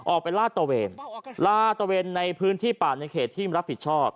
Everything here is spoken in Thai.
ลาดตะเวนลาดตะเวนในพื้นที่ป่าในเขตที่รับผิดชอบ